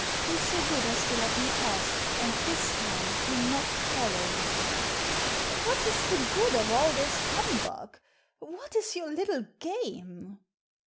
" Be so good as to let me pass, and tiiis time do not follow me !"" What is the good of all this humbug ? What is your little game